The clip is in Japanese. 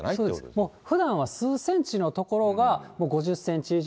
もうふだんは、数センチの所がもう５０センチ以上。